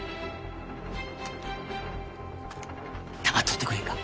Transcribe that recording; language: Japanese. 黙っとってくれんか？